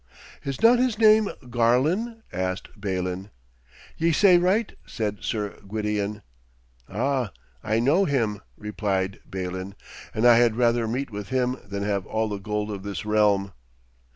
'Is not his name Garlon?' asked Balin. 'Ye say right,' said Sir Gwydion. 'Ah, I know him,' replied Balin, 'and I had rather meet with him than have all the gold of this realm.'